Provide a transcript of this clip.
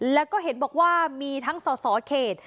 แล้วก็เห็นบอกว่ามีทั้งส่อเขต